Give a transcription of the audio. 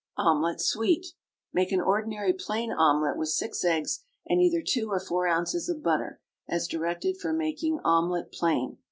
OMELET, SWEET. Make an ordinary plain omelet with six eggs and either two or four ounces of butter, as directed for making omelet, plain.